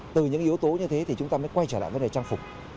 từ những yếu tố như thế thì chúng ta mới quay trở lại với trang phục